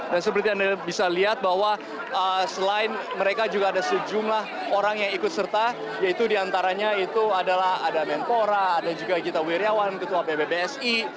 dan seperti anda bisa lihat bahwa selain mereka juga ada sejumlah orang yang ikut serta yaitu diantaranya itu adalah ada mentora ada juga gita wirjawan ketua bbbsi